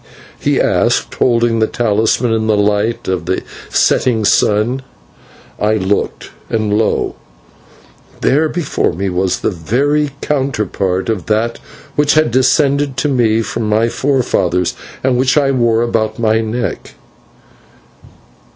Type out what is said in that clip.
he asked, holding the talisman in the light of the setting sun. I looked, and lo! there before me was the very counterpart of that which had descended to me from my forefathers, and which I wore about my neck.